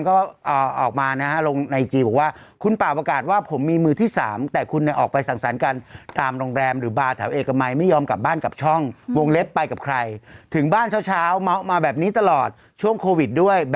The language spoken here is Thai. เขาก็คือคุดแสว่าแบบว่าผู้หญิงที่แบบไปเที่ยวทุกคืนอะไรแบบเนี้ย